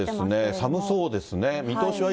寒そうですね。